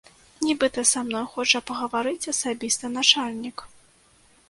Нібыта, са мной хоча пагаварыць асабіста начальнік.